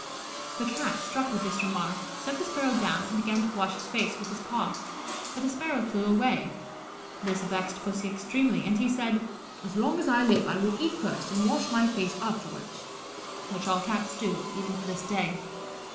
The Cat, struck with this remark, set the sparrow down, and began to wash his face with his paw, but the sparrow flew away. This vexed Pussy extremely, and he said, "As long as I live I will eat first and wash my face afterwards." Which all Cats do, even to this day.